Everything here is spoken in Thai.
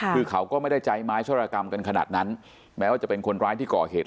คือเขาก็ไม่ได้ใจไม้ชรกรรมกันขนาดนั้นแม้ว่าจะเป็นคนร้ายที่ก่อเหตุ